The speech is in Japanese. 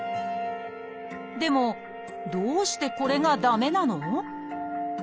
でもどうしてこれが駄目なの？